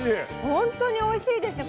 本当においしいですね。